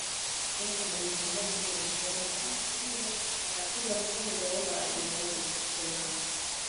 Jacob alitembea hadi alipoona taksi akapiga mkono dereva alimuona na kusimama